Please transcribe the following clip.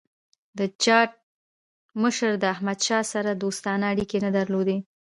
د جاټ مشر له احمدشاه سره دوستانه اړیکي نه درلودل.